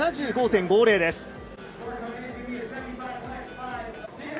７５．５０です。